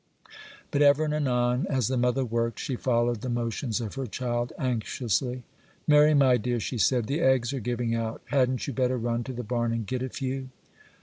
But, ever and anon, as the mother worked, she followed the motions of her child anxiously. 'Mary, my dear,' she said, 'the eggs are giving out; hadn't you better run to the barn and get a few?